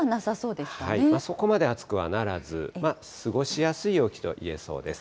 そこまで暑くはならず、過ごしやすい陽気といえそうです。